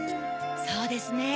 そうですねぇ。